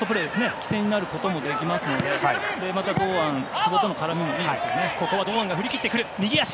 起点になることもできますのでまた、堂安、久保との絡みもいいです。